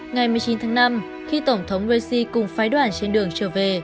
ngày một mươi chín tháng năm khi tổng thống raisi cùng phái đoàn trên đường trở về